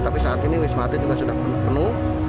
tapi saat ini wisma atlet juga sudah penuh